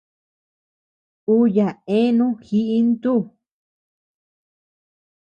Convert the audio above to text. Ú yaʼa eanu jiʼi ntú.